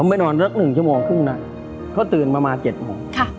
ผมไปนอนละหนึ่งชั่วโมงครึ่งน่ะเขาตื่นมามาเจ็ดโมงค่ะ